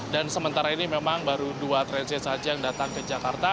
dan sementara ini memang baru dua train set saja yang datang ke jakarta